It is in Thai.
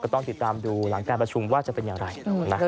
ต้องติดตามดูหลังการประชุมว่าจะเป็นอย่างไร